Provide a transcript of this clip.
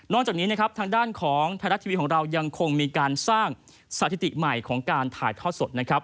จากนี้นะครับทางด้านของไทยรัฐทีวีของเรายังคงมีการสร้างสถิติใหม่ของการถ่ายทอดสดนะครับ